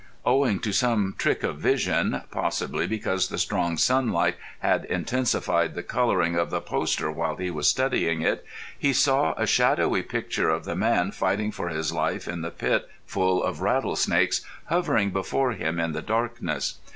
Owing to some trick of vision, possibly because the strong sunlight had intensified the colouring of the poster while he was studying it, he saw a shadowy picture of the man fighting for his life in the pit full of rattlesnakes hovering before him in the darkness.